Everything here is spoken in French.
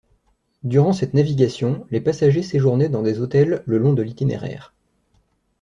Durant cette navigation, les passagers séjournaient dans des hôtels le long de l'itinéraire.